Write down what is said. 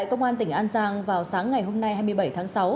công an tỉnh an giang